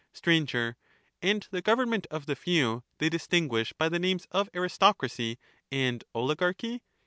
Str, And the government of the few they distinguish by the names of aristocracy and oligarchy, y.